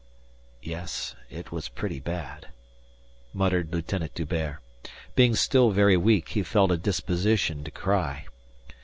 "Yes, it was pretty bad," muttered Lieutenant D'Hubert. Being still very weak, he felt a disposition to cry.